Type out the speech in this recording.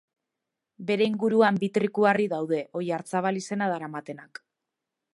Bere inguruan bi trikuharri daude, Oiartzabal izena daramatenak.